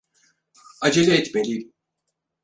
Acele etmeliyim.